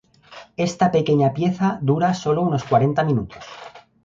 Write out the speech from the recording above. Esta pequeña pieza dura sólo unos cuarenta minutos.